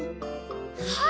はい！